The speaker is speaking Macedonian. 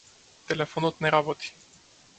Телефонот не работи.